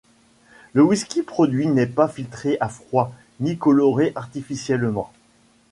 Le whisky produit n’est pas filtré à froid, ni coloré artificiellement.